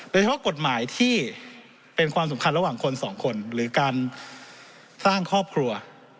เฉพาะกฎหมายที่เป็นความสำคัญระหว่างคนสองคนหรือการสร้างครอบครัว